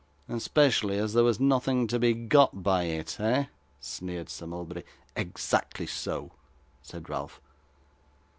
'Especially as there was nothing to be got by it eh?' sneered Sir Mulberry. 'Exactly so,' said Ralph.